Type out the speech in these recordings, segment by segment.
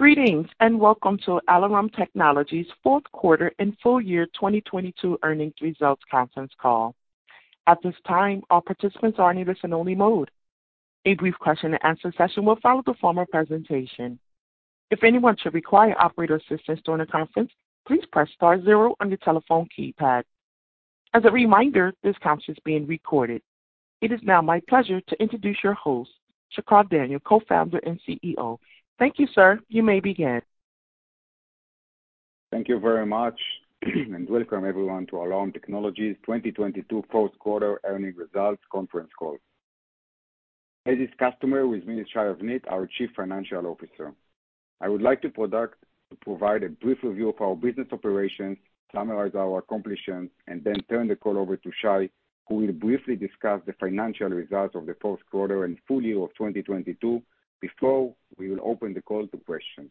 Greetings and welcome to Alarum Technologies fourth quarter and full year 2022 earnings results conference call. At this time, all participants are in listen only mode. A brief question and answer session will follow the formal presentation. If anyone should require operator assistance during the conference, please press star zero on your telephone keypad. As a reminder, this conference is being recorded. It is now my pleasure to introduce your host, Shachar Daniel, Co-Founder and CEO. Thank you, sir. You may begin. Thank you very much. Welcome everyone to Alarum Technologies 2022 fourth quarter earning results conference call. As is customary with me, Shai Avnit, our Chief Financial Officer. I would like to provide a brief review of our business operations, summarize our accomplishments, then turn the call over to Shai, who will briefly discuss the financial results of the fourth quarter and full year of 2022. Before we will open the call to questions.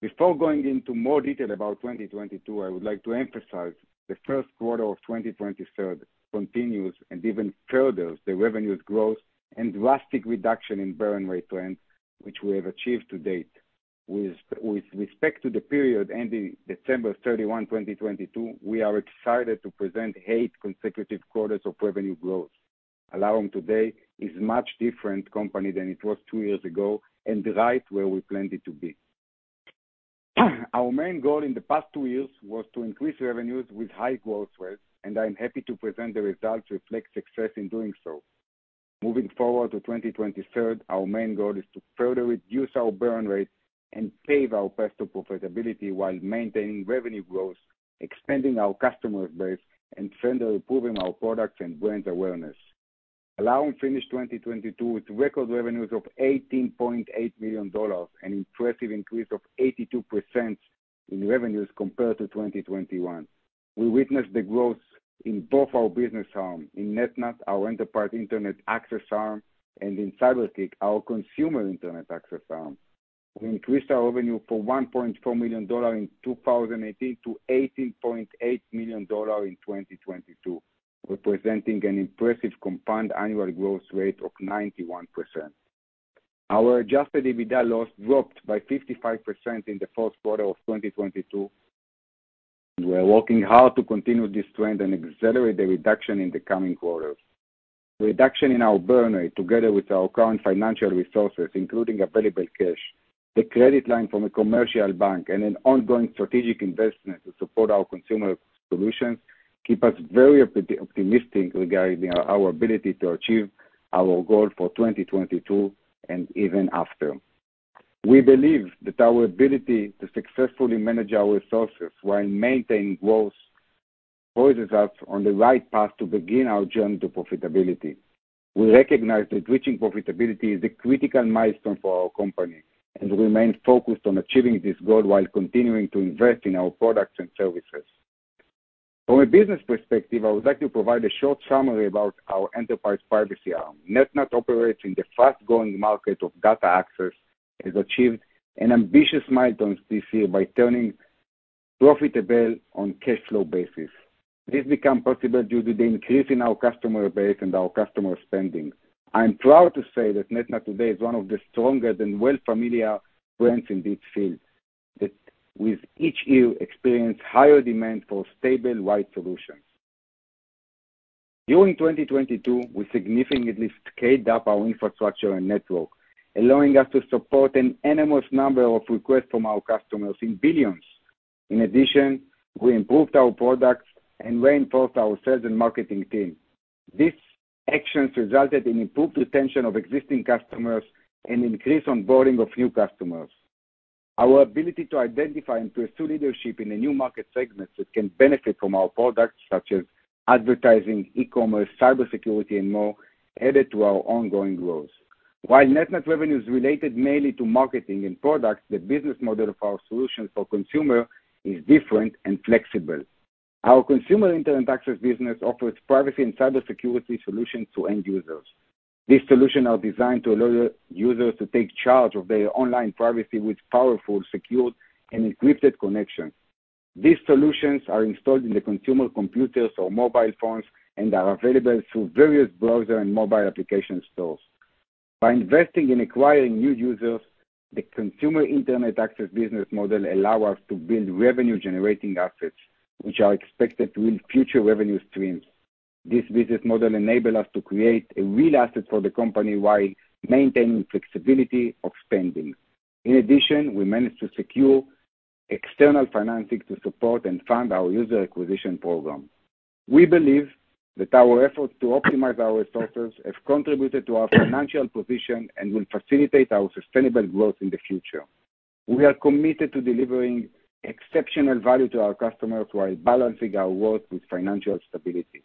Before going into more detail about 2022, I would like to emphasize the first quarter of 2023 continues and even furthers the revenues growth and drastic reduction in burn rate trends which we have achieved to date. With respect to the period ending December 31, 2022, we are excited to present eight consecutive quarters of revenue growth. Alarum today is much different company than it was two years ago and right where we planned it to be. Our main goal in the past two years was to increase revenues with high growth rates, and I'm happy to present the results reflect success in doing so. Moving forward to 2023, our main goal is to further reduce our burn rate and pave our path to profitability while maintaining revenue growth, expanding our customer base, and further improving our products and brand awareness. Alarum finished 2022 with record revenues of $18.8 million, an impressive increase of 82% in revenues compared to 2021. We witnessed the growth in both our business arm, in NetNut, our enterprise Internet access arm, and in CyberKick, our consumer Internet access arm. We increased our revenue from $1.4 million in 2018 to $18.8 million in 2022, representing an impressive compound annual growth rate of 91%. Our adjusted EBITDA loss dropped by 55% in the fourth quarter of 2022. We are working hard to continue this trend and accelerate the reduction in the coming quarters. Reduction in our burn rate, together with our current financial resources, including available cash, the credit line from a commercial bank, and an ongoing strategic investment to support our consumer solutions, keep us very optimistic regarding our ability to achieve our goal for 2022 and even after. We believe that our ability to successfully manage our resources while maintaining growth poises us on the right path to begin our journey to profitability. We recognize that reaching profitability is a critical milestone for our company and remain focused on achieving this goal while continuing to invest in our products and services. From a business perspective, I would like to provide a short summary about our enterprise privacy arm. NetNut operates in the fast-growing market of data access, has achieved an ambitious milestone this year by turning profitable on cash flow basis. This become possible due to the increase in our customer base and our customer spending. I am proud to say that NetNut today is one of the strongest and well familiar brands in this field that with each year experience higher demand for stable wide solutions. During 2022, we significantly scaled up our infrastructure and network, allowing us to support an enormous number of requests from our customers in billions. In addition, we improved our products and reinforced our sales and marketing team. These actions resulted in improved retention of existing customers and increase onboarding of new customers. Our ability to identify and pursue leadership in a new market segments that can benefit from our products, such as advertising, e-commerce, cybersecurity, and more, added to our ongoing growth. While NetNut revenue is related mainly to marketing and products, the business model of our solutions for consumer is different and flexible. Our consumer internet access business offers privacy and cybersecurity solutions to end users. These solutions are designed to allow users to take charge of their online privacy with powerful, secure, and encrypted connection. These solutions are installed in the consumer computers or mobile phones and are available through various browser and mobile application stores. By investing in acquiring new users, the consumer Internet access business model allow us to build revenue generating assets, which are expected to yield future revenue streams. This business model enable us to create a real asset for the company while maintaining flexibility of spending. In addition, we managed to secure external financing to support and fund our user acquisition program. We believe that our efforts to optimize our resources have contributed to our financial position and will facilitate our sustainable growth in the future. We are committed to delivering exceptional value to our customers while balancing our growth with financial stability.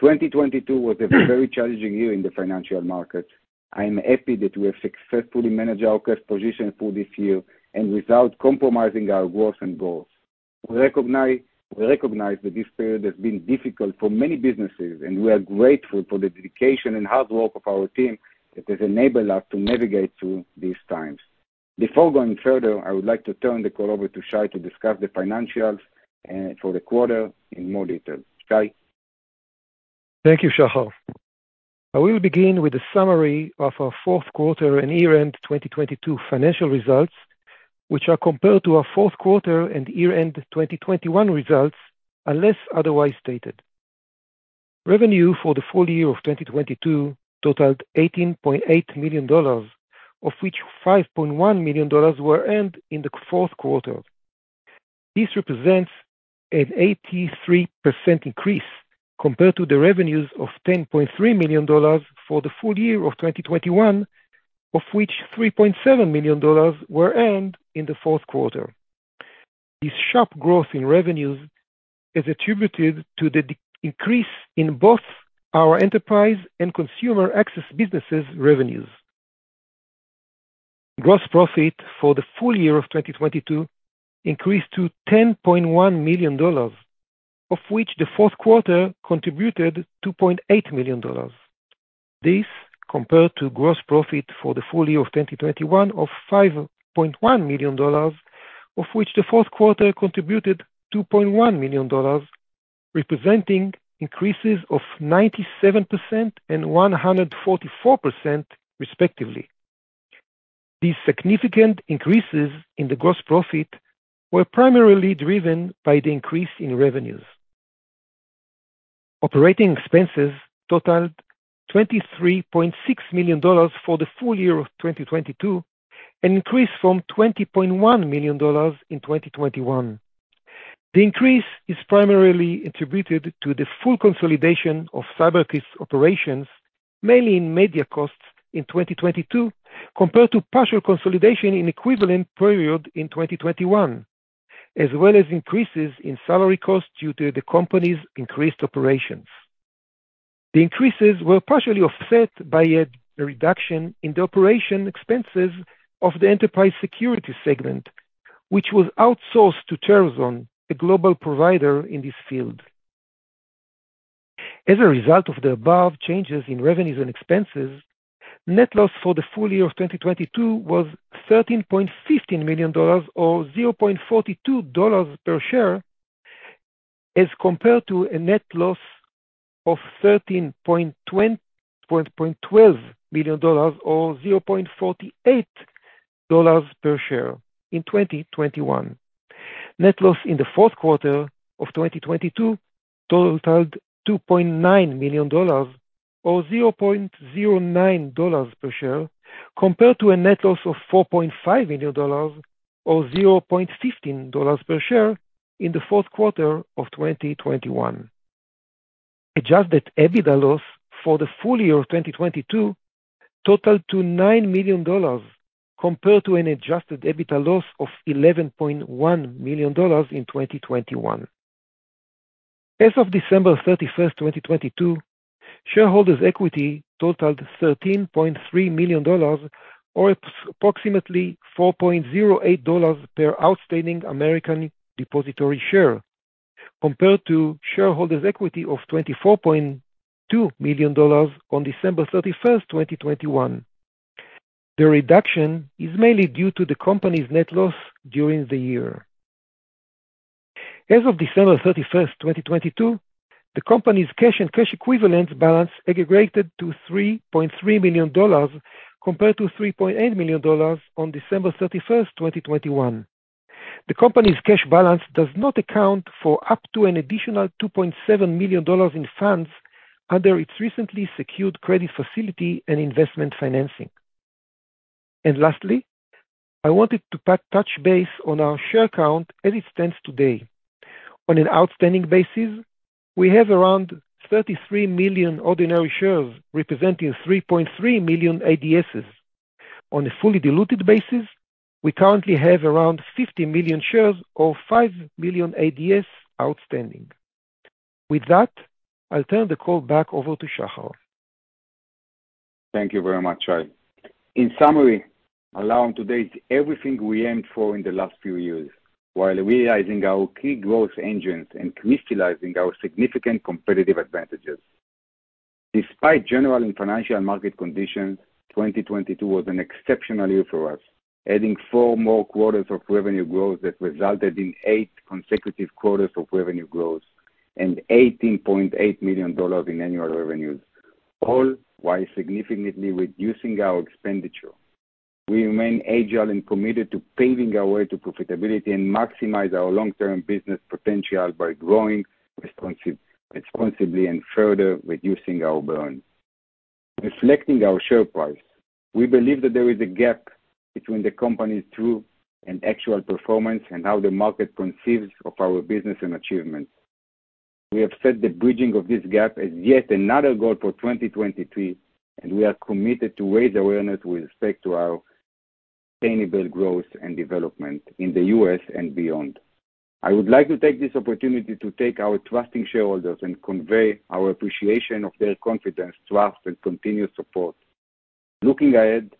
2022 was a very challenging year in the financial market. I am happy that we have successfully managed our cash position through this year and without compromising our growth and goals. We recognize that this period has been difficult for many businesses, and we are grateful for the dedication and hard work of our team that has enabled us to navigate through these times. Before going further, I would like to turn the call over to Shai to discuss the financials for the quarter in more detail. Shai? Thank you, Shachar. I will begin with a summary of our fourth quarter and year-end 2022 financial results, which are compared to our fourth quarter and year-end 2021 results, unless otherwise stated. Revenue for the full year of 2022 totaled $18.8 million, of which $5.1 million were earned in the fourth quarter. This represents an 83% increase compared to the revenues of $10.3 million for the full year of 2021, of which $3.7 million were earned in the fourth quarter. This sharp growth in revenues is attributed to the increase in both our enterprise and consumer access businesses revenues. Gross profit for the full year of 2022 increased to $10.1 million, of which the fourth quarter contributed $2.8 million. This compared to gross profit for the full year of 2021 of $5.1 million, of which the fourth quarter contributed $2.1 million, representing increases of 97% and 144% respectively. These significant increases in the gross profit were primarily driven by the increase in revenues. Operating expenses totaled $23.6 million for the full year of 2022, an increase from $20.1 million in 2021. The increase is primarily attributed to the full consolidation of CyberKick operations, mainly in media costs in 2022, compared to partial consolidation in equivalent period in 2021, as well as increases in salary costs due to the company's increased operations. The increases were partially offset by a reduction in the operation expenses of the enterprise security segment, which was outsourced to TerraZone, a global provider in this field. As a result of the above changes in revenues and expenses, net loss for the full year of 2022 was $13.15 million or $0.42 per share, as compared to a net loss of $13.12 million or $0.48 per share in 2021. Net loss in the fourth quarter of 2022 totaled $2.9 million or $0.09 per share, compared to a net loss of $4.5 million or $0.15 per share in the fourth quarter of 2021. Adjusted EBITDA loss for the full year of 2022 totaled to $9 million compared to an adjusted EBITDA loss of $11.1 million in 2021. As of December 31st, 2022, shareholders' equity totaled $13.3 million or approximately $4.08 per outstanding American Depositary Share compared to shareholders' equity of $24.2 million on December 31st, 2021. The reduction is mainly due to the company's net loss during the year. As of December 31st, 2022, the company's cash and cash equivalents balance aggregated to $3.3 million compared to $3.8 million on December 31st, 2021. The company's cash balance does not account for up to an additional $2.7 million in funds under its recently secured credit facility and investment financing. Lastly, I wanted to touch base on our share count as it stands today. On an outstanding basis, we have around 33 million ordinary shares, representing 3.3 million ADSs. On a fully diluted basis, we currently have around 50 million shares or 5 million ADSs outstanding. With that, I'll turn the call back over to Shachar. Thank you very much, Shai. In summary, our year to date, everything we aimed for in the last few years while realizing our key growth engines and crystallizing our significant competitive advantages. Despite general and financial market conditions, 2022 was an exceptional year for us, adding 4 more quarters of revenue growth that resulted in 8 consecutive quarters of revenue growth and $18.8 million in annual revenues, all while significantly reducing our expenditure. We remain agile and committed to paving our way to profitability and maximize our long-term business potential by growing responsibly and further reducing our burn. Reflecting our share price, we believe that there is a gap between the company's true and actual performance and how the market conceives of our business and achievements. We have set the bridging of this gap as yet another goal for 2023. We are committed to raise awareness with respect to our sustainable growth and development in the U.S. and beyond. I would like to take this opportunity to thank our trusting shareholders and convey our appreciation of their confidence to us and continued support. Looking ahead,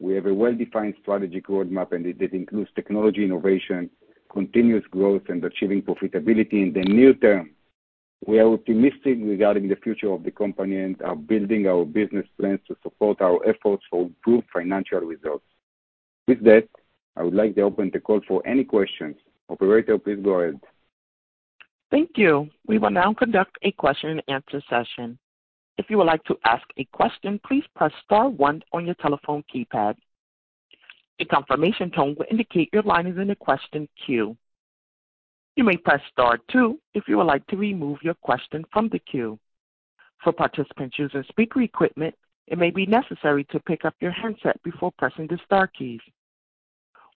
we have a well-defined strategic roadmap, and it includes technology innovation, continuous growth, and achieving profitability in the near term. We are optimistic regarding the future of the company and are building our business plans to support our efforts for improved financial results. With that, I would like to open the call for any questions. Operator, please go ahead. Thank you. We will now conduct a question and answer session. If you would like to ask a question, please press star one on your telephone keypad. A confirmation tone will indicate your line is in the question queue. You may press star two if you would like to remove your question from the queue. For participants using speaker equipment, it may be necessary to pick up your handset before pressing the star keys.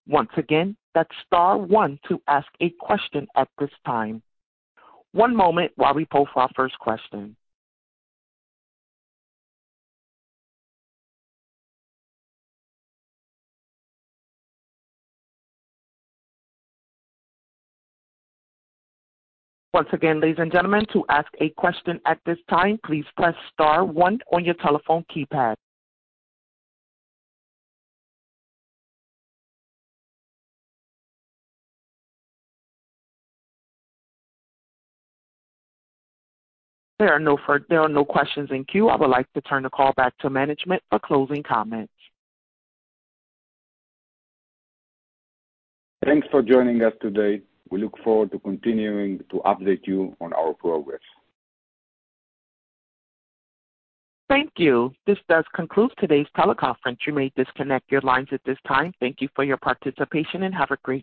Once again, that's star one to ask a question at this time. One moment while we poll for our first question. Once again, ladies and gentlemen, to ask a question at this time, please press star one on your telephone keypad. There are no questions in queue. I would like to turn the call back to management for closing comments. Thanks for joining us today. We look forward to continuing to update you on our progress. Thank you. This does conclude today's teleconference. You may disconnect your lines at this time. Thank you for your participation, and have a great day.